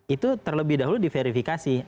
itu terlebih dahulu diverifikasi